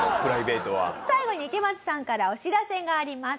最後に池松さんからお知らせがあります。